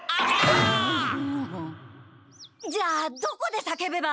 じゃあどこで叫べば？